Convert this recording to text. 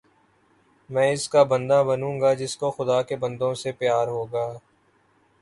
میں اس کا بندہ بنوں گا جس کو خدا کے بندوں سے پیار ہوگا